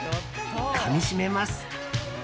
かみしめます。